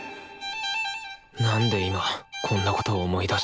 なんで今こんなことを思い出したんだろう。